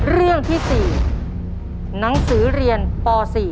เรื่องที่๔หนังสือเรียนป๔